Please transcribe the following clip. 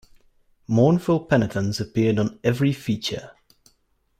Mournful penitence appeared on every feature.